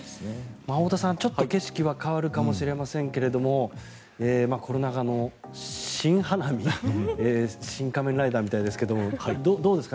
太田さん、ちょっと景色は変わるかもしれませんがコロナ禍のシン・花見「シン・仮面ライダー」みたいですがどうですか？